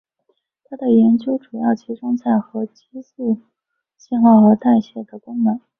他的研究主要集中在核激素信号和代谢的功能。